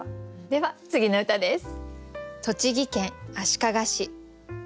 では次の歌です。